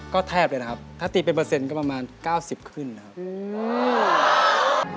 ก็แทบเลยนะครับถ้าตีเป็นเปอร์เซ็นต์ก็ประมาณ๙๐ขึ้นนะครับ